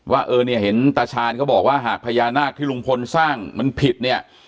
ว่าเออเนี่ยเห็นตาชาญเขาบอกว่าหากพญานาคที่ลุงพลสร้างมันผิดเนี่ย